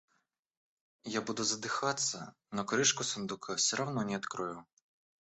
Я буду задыхаться, но крышку сундука все равно не открою.